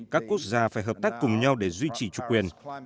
các quốc gia phải hợp tác cùng nhau để duy trì chủ quyền